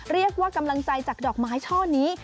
เรียกว่ากำลังใจจากดอกไม้ช่อนี้